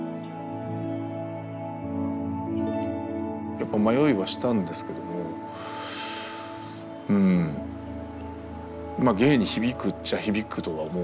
やっぱ迷いはしたんですけどもうんまあ芸に響くっちゃ響くとは思うし。